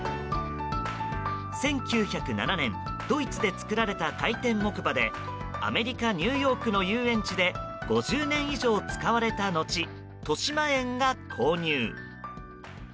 １９０７年ドイツで作られた回転木馬でアメリカ・ニューヨークの遊園地で５０年以上使われた後としまえんが購入。